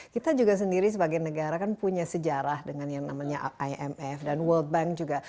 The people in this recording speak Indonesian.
kita juga sendiri sebagai negara kan punya sejarah dengan yang namanya imf dan world bank juga